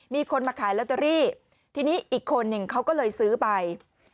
มีคนมาขายลอตเตอรี่ทีนี้อีกคนหนึ่งเขาก็เลยซื้อไป